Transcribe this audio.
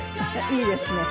いいですね。